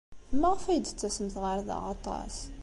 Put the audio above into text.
Maɣef ay d-tettasemt ɣer da aṭas?